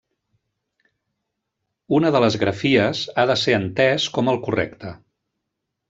Una de les grafies ha de ser entès com el correcte.